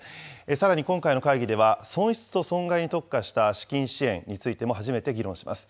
さらに今回の会議では、損失と損害に特化した資金支援についても初めて議論します。